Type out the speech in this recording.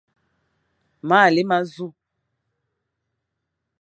Mâa lé ma zu.